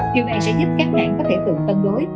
điều này sẽ giúp các hãng có thể tưởng tân đối